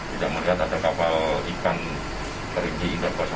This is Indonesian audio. kita melihat ada kapal ikan kerinci indah dua